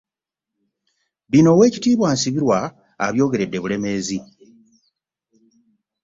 Bino oweekitiibwa Nsibirwa abyogeredde Bulemeezi